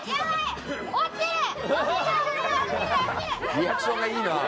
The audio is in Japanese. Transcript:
「リアクションがいいなあ」